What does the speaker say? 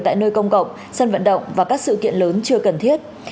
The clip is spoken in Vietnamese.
tại nơi công cộng sân vận động và các sự kiện lớn chưa cần thiết